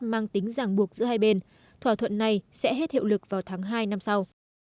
mang tính giảng buộc giữa hai bên thỏa thuận này sẽ hết hiệu lực vào tháng hai năm sau